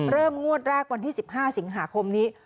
งวดแรกวันที่๑๕สิงหาคมนี้